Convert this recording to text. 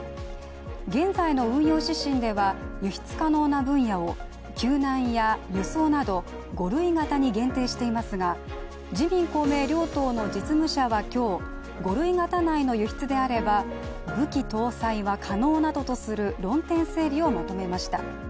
現在の運用指針では、輸出可能な分野を救難や輸送など、５類型に限定していますが自民・公明両党の実務者は今日５類型内の輸出であれば武器搭載は可能などとする論点整理をまとめました。